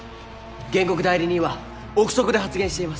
原告代理人は臆測で発言しています。